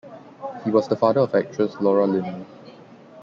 He was the father of actress Laura Linney.